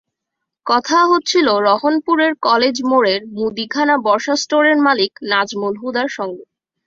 কথা হচ্ছিল রহনপুরের কলেজ মোড়ের মুদিখানা বর্ষা স্টোরের মালিক নাজমুল হুদার সঙ্গে।